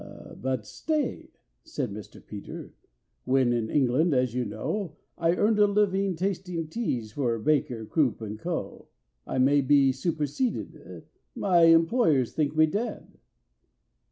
"But stay," said Mr. PETER: "when in England, as you know, I earned a living tasting teas for BAKER, CROOP, AND CO., I may be superseded—my employers think me dead!"